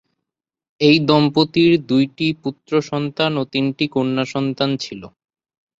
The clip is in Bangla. এই দম্পতির দুইটি পুত্রসন্তান ও তিনটি কন্যাসন্তান ছিল।